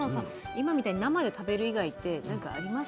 今みたいに生で食べる以外って何かあります？